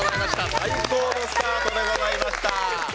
最高のスタートでございました。